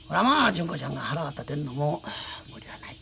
純子ちゃんが腹立てるのも無理はない。